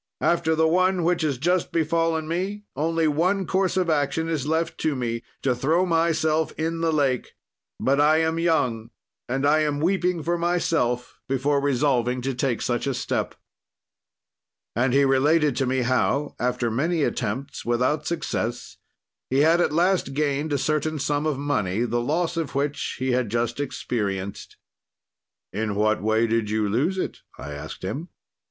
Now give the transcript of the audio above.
"'After the one which has just befallen me only one course of action is left to me, to throw myself in the lake. But I am young, and I am weeping for myself before resolving to take such a step.' "And he related to me how, after many attempts without success, he had at last gained a certain sum of money, the loss of which he had just experienced. "In what way did you lose it?" I asked him.